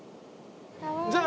じゃあ。